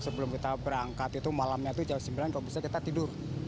sebelum kita berangkat itu malamnya itu jam sembilan kalau bisa kita tidur